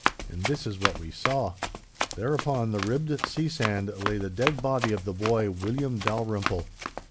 And this is what we saw. There upon the ribbed sea sand lay the dead body of the boy William Dalrymple.